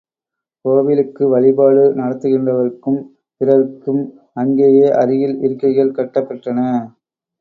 கோவிலுக்கு வழிபாடு நடத்துகின்றவர்கட்கும், பிறர்க்கும் அங்கேயே அருகில் இருக்கைகள் கட்டப்பெற்றன.